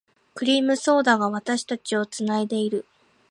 クリームソーダが、私たちを繋いでいる。